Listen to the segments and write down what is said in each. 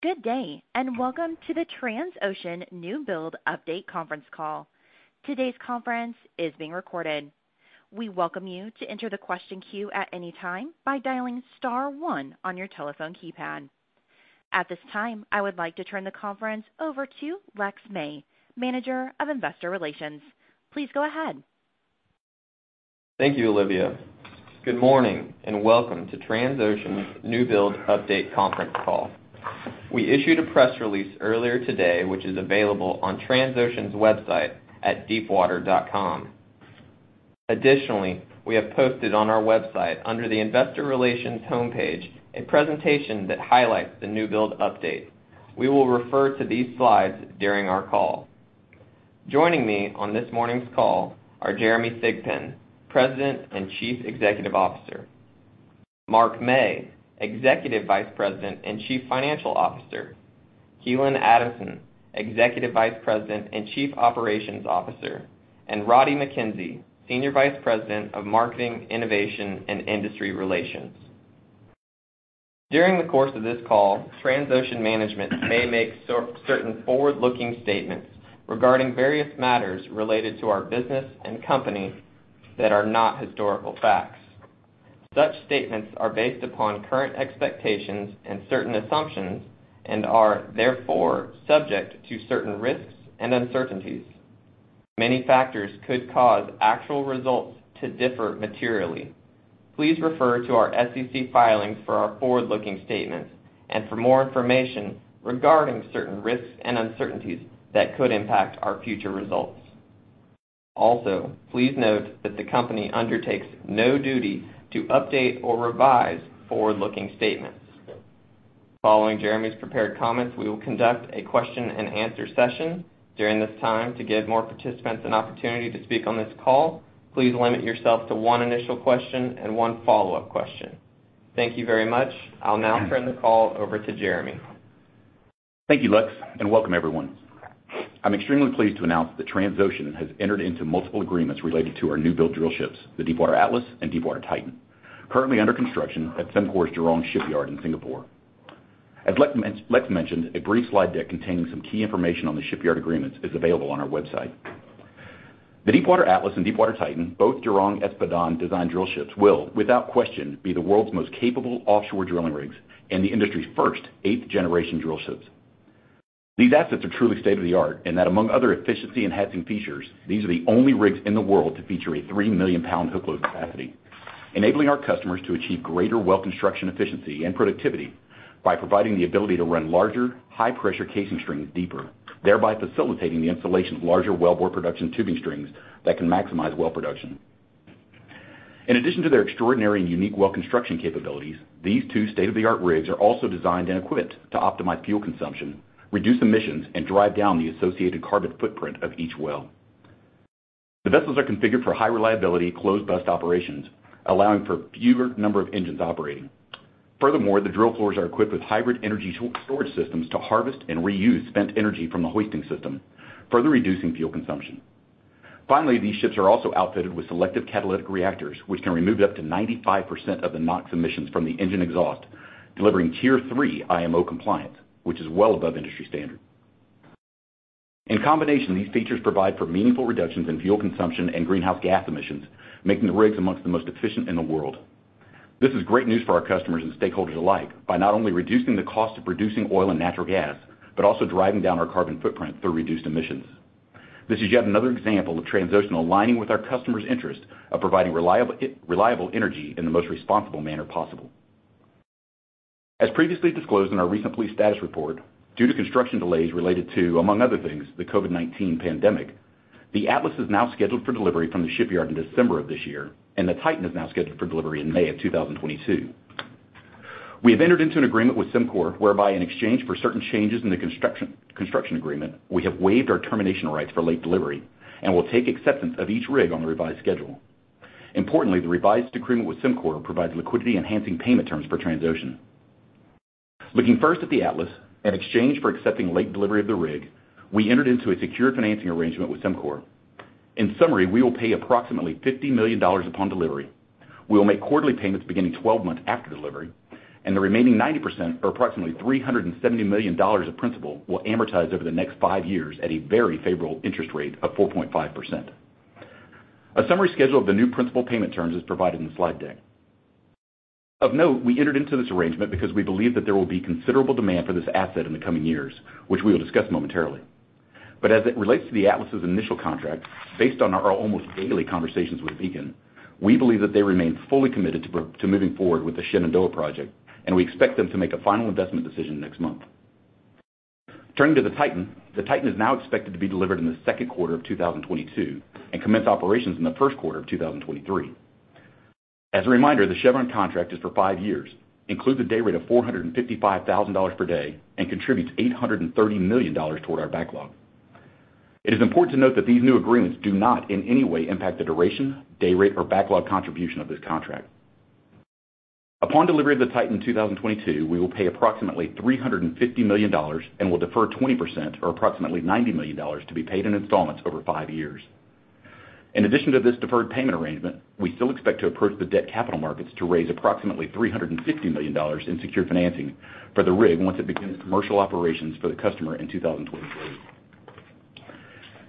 Good day, welcome to the Transocean Newbuild Update Conference Call. Todays conference call is being recorded. We welcome you to enter the question queue at any time by dialing star one on your telephone keypad. At this time, I would like to turn the conference over to Lexington May, Manager of Investor Relations. Please go ahead. Thank you, Olivia. Good morning, and welcome to Transocean's Newbuild Update Conference Call. We issued a press release earlier today, which is available on Transocean's website at deepwater.com. Additionally, we have posted on our website under the Investor Relations homepage a presentation that highlights the newbuild update. We will refer to these slides during our call. Joining me on this morning's call are Jeremy Thigpen, President and Chief Executive Officer; Mark Mey, Executive Vice President and Chief Financial Officer; Keelan Adamson, Executive Vice President and Chief Operations Officer; and Roddie Mackenzie, Senior Vice President of Marketing, Innovation, and Industry Relations. During the course of this call, Transocean management may make certain forward-looking statements regarding various matters related to our business and company that are not historical facts. Such statements are based upon current expectations and certain assumptions and are, therefore, subject to certain risks and uncertainties. Many factors could cause actual results to differ materially. Please refer to our SEC filings for our forward-looking statements and for more information regarding certain risks and uncertainties that could impact our future results. Please note that the company undertakes no duty to update or revise forward-looking statements. Following Jeremy's prepared comments, we will conduct a question-and-answer session. During this time, to give more participants an opportunity to speak on this call, please limit yourself to one initial question and one follow-up question. Thank you very much. I'll now turn the call over to Jeremy. Thank you, Lex, and welcome everyone. I'm extremely pleased to announce that Transocean has entered into multiple agreements related to our newbuild drill ships, the Deepwater Atlas and Deepwater Titan, currently under construction at Sembcorp's Jurong Shipyard in Singapore. As Lex mentioned, a brief slide deck containing some key information on the shipyard agreements is available on our website. The Deepwater Atlas and Deepwater Titan, both Jurong Espadon-designed drill ships will, without question, be the world's most capable offshore drilling rigs and the industry's first 8th-generation drill ships. These assets are truly state-of-the-art in that among other efficiency-enhancing features, these are the only rigs in the world to feature a three-million-pound hook load capacity, enabling our customers to achieve greater well construction efficiency and productivity by providing the ability to run larger, high-pressure casing strings deeper, thereby facilitating the installation of larger wellbore production tubing strings that can maximize well production. In addition to their extraordinary and unique well construction capabilities, these two state-of-the-art rigs are also designed and equipped to optimize fuel consumption, reduce emissions, and drive down the associated carbon footprint of each well. The vessels are configured for high-reliability, closed-bus operations, allowing for fewer number of engines operating. Furthermore, the drill floors are equipped with hybrid energy storage systems to harvest and reuse spent energy from the hoisting system, further reducing fuel consumption. These ships are also outfitted with selective catalytic reduction, which can remove up to 95% of the NOx emissions from the engine exhaust, delivering IMO Tier III compliance, which is well above industry standard. In combination, these features provide for meaningful reductions in fuel consumption and greenhouse gas emissions, making the rigs amongst the most efficient in the world. This is great news for our customers and stakeholders alike by not only reducing the cost of producing oil and natural gas, but also driving down our carbon footprint through reduced emissions. This is yet another example of Transocean aligning with our customers' interest of providing reliable energy in the most responsible manner possible. As previously disclosed in our recent fleet status report, due to construction delays related to, among other things, the COVID-19 pandemic, the Atlas is now scheduled for delivery from the shipyard in December of this year, and the Titan is now scheduled for delivery in May of 2022. We have entered into an agreement with Sembcorp whereby in exchange for certain changes in the construction agreement, we have waived our termination rights for late delivery and will take acceptance of each rig on the revised schedule. Importantly, the revised agreement with Sembcorp provides liquidity-enhancing payment terms for Transocean. Looking first at the Atlas, in exchange for accepting late delivery of the rig, we entered into a secured financing arrangement with Sembcorp. In summary, we will pay approximately $50 million upon delivery. We will make quarterly payments beginning 12 months after delivery, and the remaining 90%, or approximately $370 million of principal, will amortize over the next five years at a very favorable interest rate of 4.5%. A summary schedule of the new principal payment terms is provided in the slide deck. Of note, we entered into this arrangement because we believe that there will be considerable demand for this asset in the coming years, which we will discuss momentarily. As it relates to the Atlas's initial contract, based on our almost daily conversations with Beacon, we believe that they remain fully committed to moving forward with the Shenandoah project, and we expect them to make a final investment decision next month. Turning to the Titan. The Titan is now expected to be delivered in the second quarter of 2022 and commence operations in the first quarter of 2023. As a reminder, the Chevron contract is for five years, includes a day rate of $455,000 per day, and contributes $830 million toward our backlog. It is important to note that these new agreements do not in any way impact the duration, day rate, or backlog contribution of this contract. Upon delivery of the Deepwater Titan in 2022, we will pay approximately $350 million and will defer 20%, or approximately $90 million, to be paid in installments over five years. In addition to this deferred payment arrangement, we still expect to approach the debt capital markets to raise approximately $360 million in secured financing for the rig once it begins commercial operations for the customer in 2023.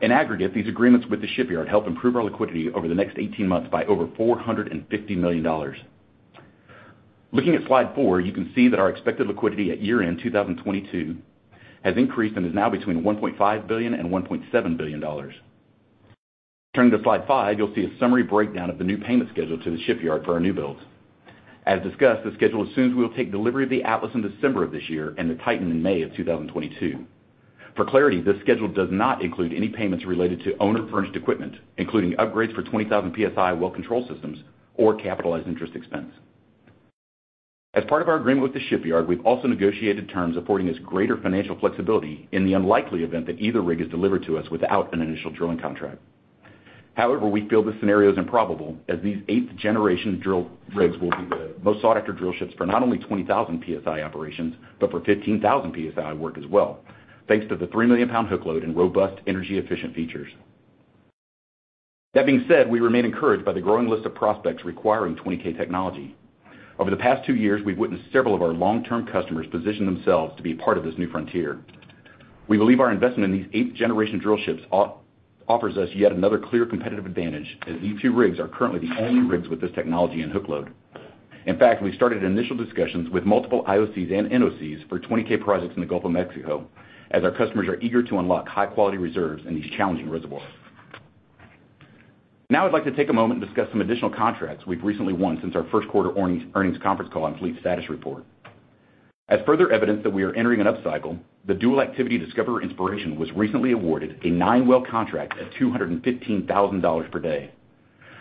In aggregate, these agreements with the shipyard help improve our liquidity over the next 18 months by over $450 million. Looking at slide 4, you can see that our expected liquidity at year-end 2022 has increased and is now between $1.5 billion and $1.7 billion. Turning to slide 5, you'll see a summary breakdown of the new payment schedule to the shipyard for our newbuilds. As discussed, the schedule assumes we'll take delivery of the Atlas in December of this year and the Titan in May of 2022. For clarity, this schedule does not include any payments related to owner-furnished equipment, including upgrades for 20,000 psi well control systems or capitalized interest expense. As part of our agreement with the shipyard, we've also negotiated terms affording us greater financial flexibility in the unlikely event that either rig is delivered to us without an initial drilling contract. However, we feel this scenario is improbable, as these 8th-generation drill rigs will be the most sought-after drillships for not only 20,000 psi operations, but for 15,000 psi work as well, thanks to the 3-million-pound hook load and robust energy-efficient features. That being said, we remain encouraged by the growing list of prospects requiring 20K technology. Over the past two years, we've witnessed several of our long-term customers position themselves to be a part of this new frontier. We believe our investment in these 8th-generation drillships offers us yet another clear competitive advantage, as these two rigs are currently the only rigs with this technology and hook load. In fact, we started initial discussions with multiple IOCs and NOCs for 20K projects in the Gulf of Mexico, as our customers are eager to unlock high-quality reserves in these challenging reservoirs. I'd like to take a moment to discuss some additional contracts we've recently won since our first quarter earnings conference call and fleet status report. As further evidence that we are entering an upcycle, the dual activity Discoverer Inspiration was recently awarded a nine-well contract at $215,000 per day.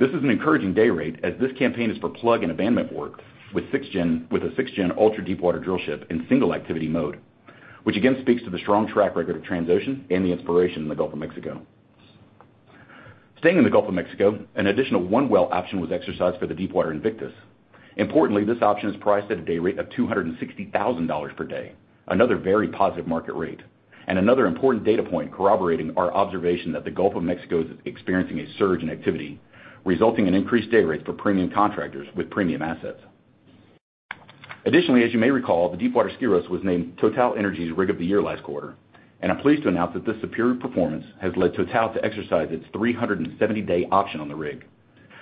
This is an encouraging day rate as this campaign is for plug and abandonment work with a 6-gen ultra-deepwater drillship in single-activity mode, which again speaks to the strong track record of Transocean and the Inspiration in the Gulf of Mexico. Staying in the Gulf of Mexico, an additional one-well option was exercised for the Deepwater Invictus. Importantly, this option is priced at a day rate of $260,000 per day. Another very positive market rate, another important data point corroborating our observation that the Gulf of Mexico is experiencing a surge in activity, resulting in increased day rates for premium contractors with premium assets. Additionally, as you may recall, the Deepwater Skyros was named TotalEnergies Rig of the Year last quarter, and I'm pleased to announce that this superior performance has led Total to exercise its 370-day option on the rig.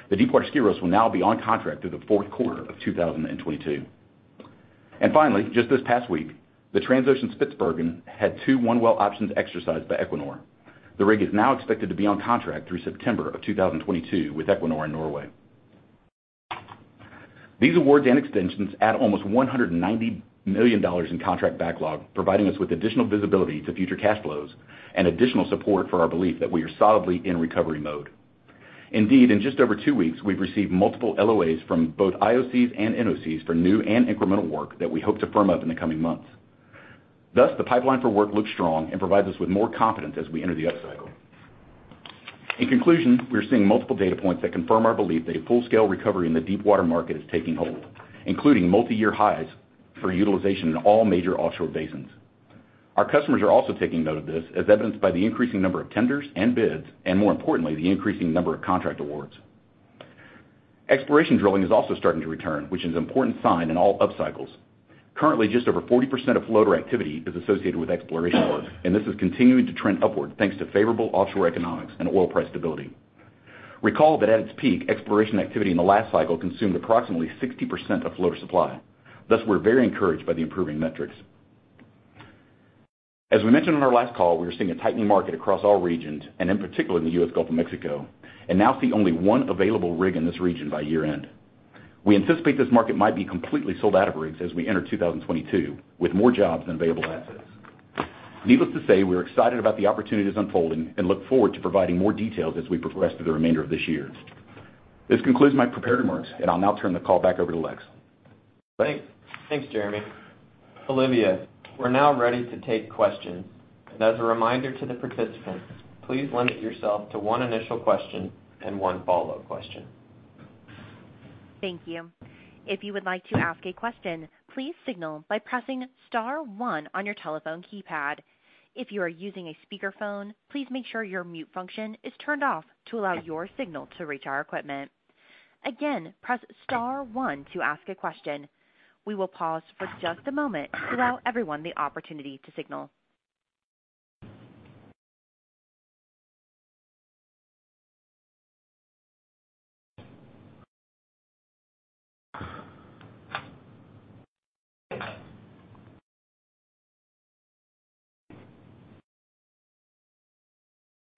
The Deepwater Skyros will now be on contract through the fourth quarter of 2022. Finally, just this past week, the Transocean Spitsbergen had two one-well options exercised by Equinor. The rig is now expected to be on contract through September of 2022 with Equinor in Norway. These organic extensions add almost $190 million in contract backlog, providing us with additional visibility to future cash flows and additional support for our belief that we are solidly in recovery mode. Indeed, in just over two weeks, we've received multiple LOAs from both IOCs and NOCs for new and incremental work that we hope to firm up in the coming months. Thus, the pipeline for work looks strong and provides us with more confidence as we enter the upcycle. In conclusion, we are seeing multiple data points that confirm our belief that a full-scale recovery in the deepwater market is taking hold, including multi-year highs for utilization in all major offshore basins. Our customers are also taking note of this, as evidenced by the increasing number of tenders and bids, and more importantly, the increasing number of contract awards. Exploration drilling is also starting to return, which is an important sign in all upcycles. Currently, just over 40% of floater activity is associated with exploration work, and this is continuing to trend upward thanks to favorable offshore economics and oil price stability. Recall that at its peak, exploration activity in the last cycle consumed approximately 60% of floater supply. Thus, we're very encouraged by the improving metrics. As we mentioned on our last call, we are seeing a tightening market across all regions and in particular in the U.S. Gulf of Mexico, and now see only one available rig in this region by year-end. We anticipate this market might be completely sold out of rigs as we enter 2022, with more jobs than available assets. Needless to say, we are excited about the opportunities unfolding and look forward to providing more details as we progress through the remainder of this year. This concludes my prepared remarks, and I'll now turn the call back over to Lex. Thanks, Jeremy. Olivia, we're now ready to take questions. As a reminder to the participants, please limit yourself to one initial question and one follow-up question. Thank you. If you would like to ask a question, please signal by pressing star one on your telephone keypad. If you are using a speakerphone, please make sure your mute function is turned off to allow your signal to reach our equipment. Again, press star one to ask a question. We will pause for just a moment to allow everyone the opportunity to signal.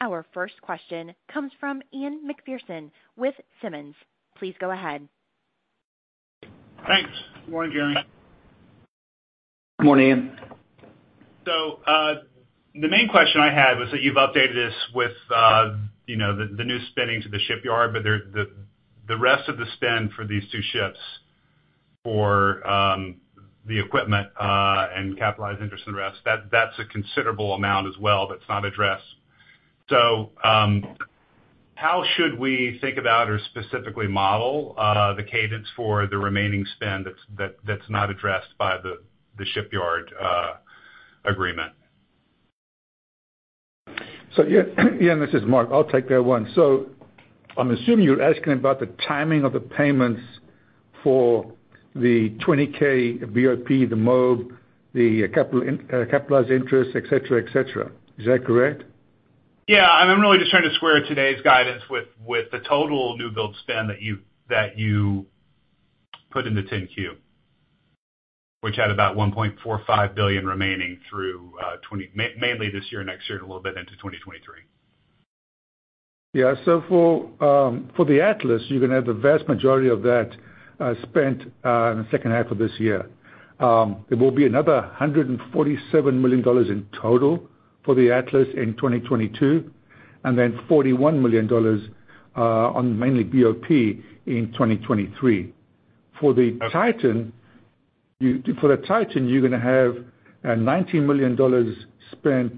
Our first question comes from Ian Macpherson with Simmons. Please go ahead. Thanks. Morning, Jeremy. Morning. The main question I had was that you've updated us with the new spending to the shipyard, but the rest of the spend for these two ships for the equipment and capitalized interest and the rest, that's a considerable amount as well that's not addressed. How should we think about or specifically model the cadence for the remaining spend that's not addressed by the shipyard agreement? Yeah, this is Mark. I'll take that one. I'm assuming you're asking about the timing of the payments for the 20K BOP, the MOB, the capitalized interest, et cetera. Is that correct? Yeah. I'm really just trying to square today's guidance with the total newbuild spend that you put in the 10-Q, which had about $1.45 billion remaining through mainly this year, next year, and a little bit into 2023. Yeah. For the Atlas, you're going to have the vast majority of that spent in the second half of this year. There will be another $147 million in total for the Atlas in 2022, and then $41 million on mainly BOP in 2023. For the Titan, you're going to have $19 million spent,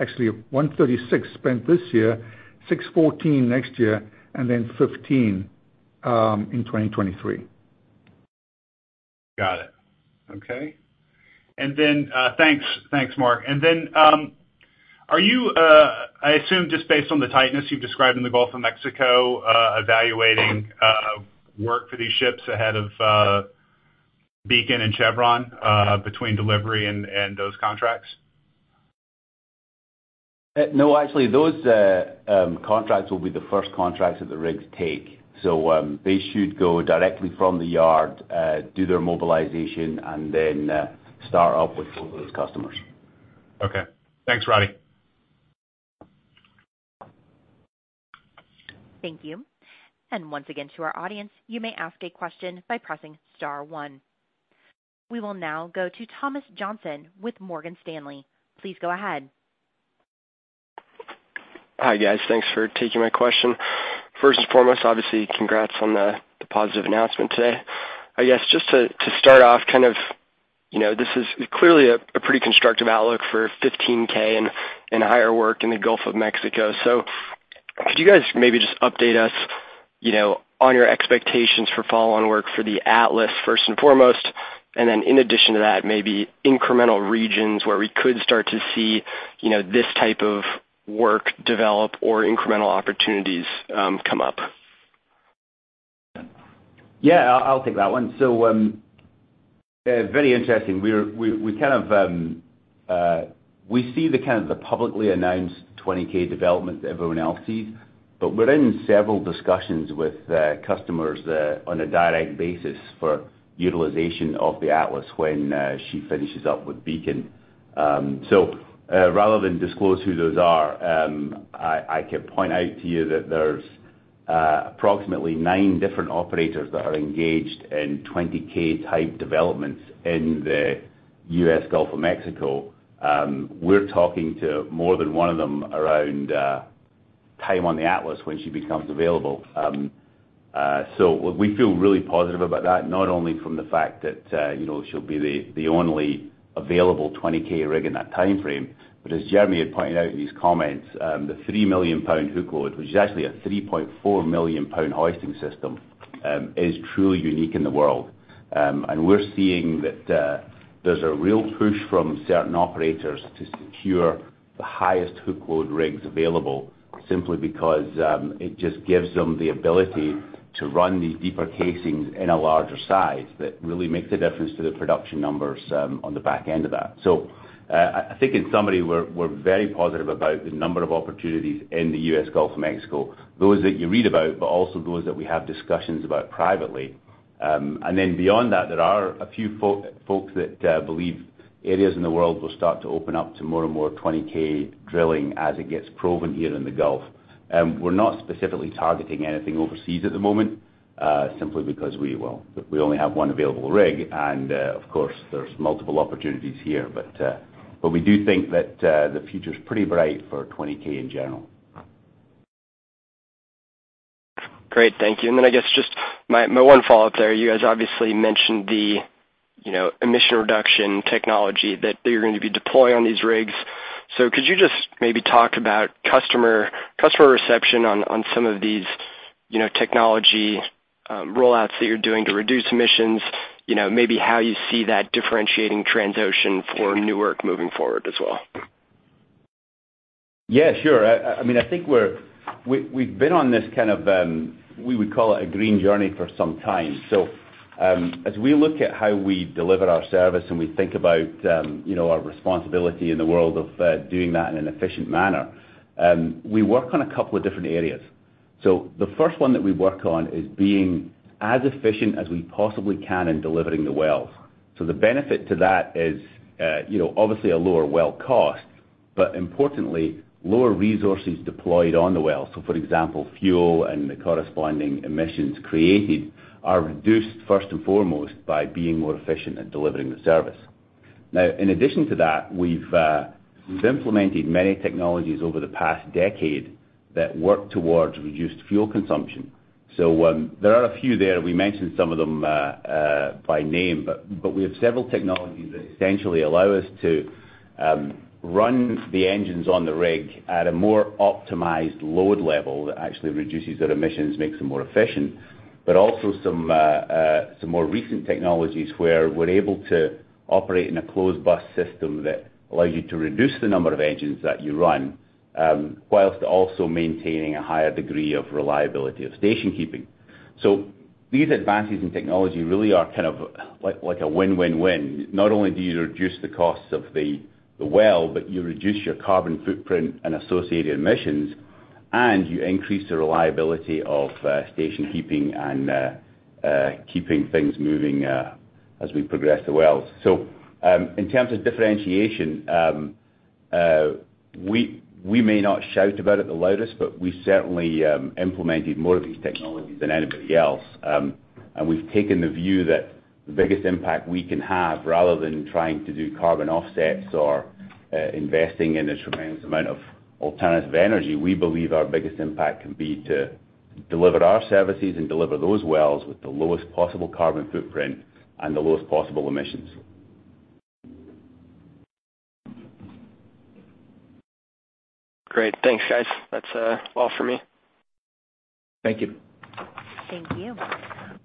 actually $136 spent this year, $614 next year, and then $15 in 2023. Got it. Okay. Thanks, Mark. Are you, I assume, just based on the tightness you've described in the Gulf of Mexico, evaluating work for these ships ahead of Beacon and Chevron, between delivery and those contracts? No, actually, those contracts will be the first contracts that the rigs take. They should go directly from the yard, do their mobilization, and then start up with those customers. Okay. Thanks, Roddie. Thank you. Once again, to our audience, you may ask a question by pressing star one. We will now go to Thomas Johnson with Morgan Stanley. Please go ahead. Hi, guys. Thanks for taking my question. First and foremost, obviously, congrats on the positive announcement today. I guess just to start off, this is clearly a pretty constructive outlook for 15K and higher work in the Gulf of Mexico. Could you guys maybe just update us on your expectations for follow-on work for the Atlas, first and foremost, and then in addition to that, maybe incremental regions where we could start to see this type of work develop or incremental opportunities come up? Yeah, I'll take that one. Very interesting. We see the publicly announced 20K developments everyone else sees, but we're in several discussions with customers on a direct basis for utilization of the Atlas when she finishes up with Beacon. Rather than disclose who those are, I could point out to you that there's approximately nine different operators that are engaged in 20K type developments in the U.S. Gulf of Mexico. We're talking to more than one of them around time on the Atlas when she becomes available. We feel really positive about that, not only from the fact that she'll be the only available 20K rig in that timeframe, but as Jeremy had pointed out in his comments, the 3 million-pound hook load, which is actually a 3.4 million-pound hoisting system, is truly unique in the world. We're seeing that there's a real push from certain operators to secure the highest hook load rigs available simply because it just gives them the ability to run these deeper casings in a larger size. That really makes a difference to the production numbers on the back end of that. I think in summary, we're very positive about the number of opportunities in the U.S. Gulf of Mexico, those that you read about, but also those that we have discussions about privately. Beyond that, there are a few folks that believe areas in the world will start to open up to more and more 20K drilling as it gets proven here in the Gulf. We're not specifically targeting anything overseas at the moment, simply because we only have one available rig, and of course, there's multiple opportunities here. We do think that the future is pretty bright for 20K in general. Great. Thank you. I guess just my one follow-up there, you guys obviously mentioned the emission reduction technology that you're going to be deploying on these rigs. Could you just maybe talk about customer reception on some of these technology rollouts that you're doing to reduce emissions, maybe how you see that differentiating Transocean for new work moving forward as well? Yeah, sure. I think we've been on this, we would call it a green journey for some time. As we look at how we deliver our service, and we think about our responsibility in the world of doing that in an efficient manner, we work on a couple of different areas. The first one that we work on is being as efficient as we possibly can in delivering the well. The benefit to that is obviously a lower well cost, but importantly, lower resources deployed on the well. For example, fuel and the corresponding emissions created are reduced first and foremost by being more efficient at delivering the service. Now, in addition to that, we've implemented many technologies over the past decade that work towards reduced fuel consumption. There are a few there. We mentioned some of them by name, but we have several technologies that essentially allow us to run the engines on the rig at a more optimized load level that actually reduces their emissions, makes them more efficient. Also some more recent technologies where we're able to operate in a closed bus system that allows you to reduce the number of engines that you run, while also maintaining a higher degree of reliability of station keeping. These advances in technology really are a win-win-win. Not only do you reduce the costs of the well, but you reduce your carbon footprint and associated emissions, and you increase the reliability of station keeping and keeping things moving as we progress the wells. In terms of differentiation, we may not shout about it the loudest, but we certainly implemented more of these technologies than anybody else. We've taken the view that the biggest impact we can have, rather than trying to do carbon offsets or investing in a tremendous amount of alternative energy, we believe our biggest impact can be to deliver our services and deliver those wells with the lowest possible carbon footprint and the lowest possible emissions. Great. Thanks, guys. That's all for me. Thank you. Thank you.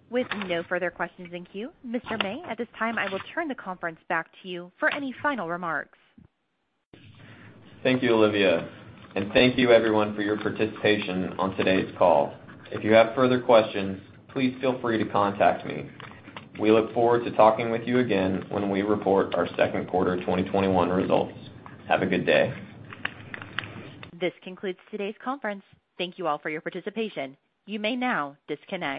With no further questions in queue, Mr. May, at this time, I will turn the conference back to you for any final remarks. Thank you, Olivia. Thank you everyone for your participation on today's call. If you have further questions, please feel free to contact me. We look forward to talking with you again when we report our second quarter 2021 results. Have a good day. This concludes today's conference. Thank you all for your participation. You may now disconnect.